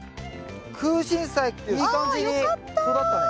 クウシンサイいい感じに育ったね。